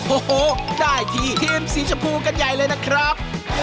โอ้โหได้ที่ทีมสีชมพูกันใหญ่เลยนะครับ